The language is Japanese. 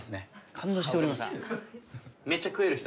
感動しております。